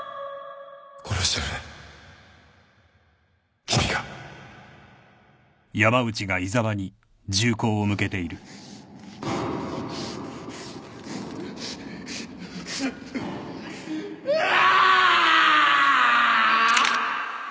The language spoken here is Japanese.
殺してくれ君がうわ！